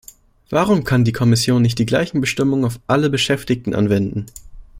Warum kann die Kommission nicht die gleichen Bestimmungen auf alle Beschäftigten anwenden?